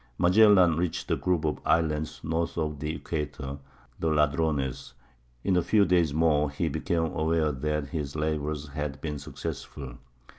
Magellan reached a group of islands north of the equator—the Ladrones. In a few days more he became aware that his labors had been successful.